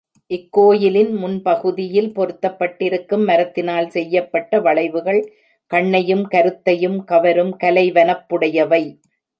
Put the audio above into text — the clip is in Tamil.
இக் கோயிலின் முன் பகுதியில் பொருத்தப்பட்டிருக்கும் மரத்தினால் செய்யப்பட்ட வளைவுகள் கண்ணையும் கருத்தையும் கவரும் கலைவனப்புடையவை.